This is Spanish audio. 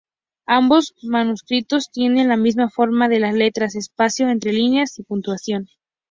Ambos manuscritos tienen la misma forma de las letras, espacio entre líneas y puntuación.